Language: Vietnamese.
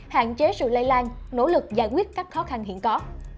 hạn chế sự lây lan nỗ lực giải quyết các khó khăn hiện có